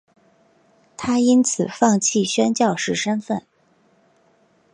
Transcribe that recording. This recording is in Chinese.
她因此放弃宣教士身分。